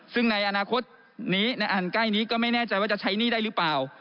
ซึ่งในอนาคตนี้ในอันใกล้นี้ก็ไม่แน่ใจว่าจะใช้หนี้ได้หรือเปล่า